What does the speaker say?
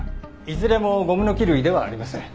いずれもゴムノキ類ではありません。